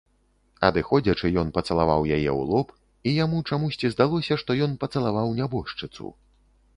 Адыходзячы, ён пацалаваў яе ў лоб, і яму чамусьці здалося, што ён пацалаваў нябожчыцу.